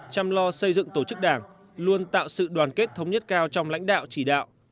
chăm lo xây dựng tổ chức đảng luôn tạo sự đoàn kết thống nhất cao trong lãnh đạo chỉ đạo